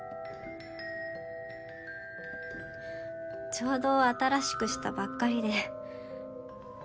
ちょうど新しくしたばっかりで。